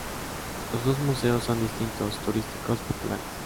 Los dos museos son destinos turísticos populares.